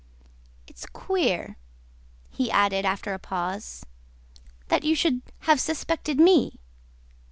It's queer," he added after a pause, "that you should have suspected me!"